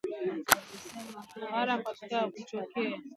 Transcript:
Mambo yanayopelekea ugonjwa wa ndama kuhara kutokea